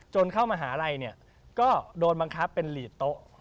เข้ามหาลัยเนี่ยก็โดนบังคับเป็นหลีดโต๊ะ